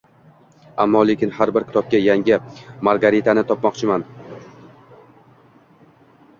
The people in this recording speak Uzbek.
Ammo-lekin har bir kitobda yangi Margaritani topmoqchiman